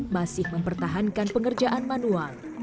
masih mempertahankan pengerjaan manual